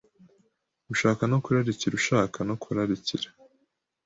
Gushaka no kurarikira ushaka no kurarikira